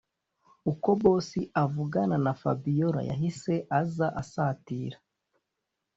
uko boss avugana na fabiora yahise aza asatira